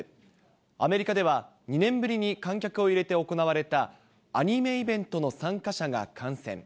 アメリカでは、２年ぶりに観客を入れて行われたアニメイベントの参加者が感染。